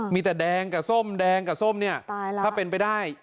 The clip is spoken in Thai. มีแต่แดงกับส้มแดงกับส้มเนี่ยตายแล้วถ้าเป็นไปได้